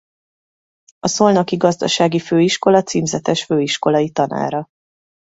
A Szolnoki Gazdasági Főiskola címzetes főiskolai tanára.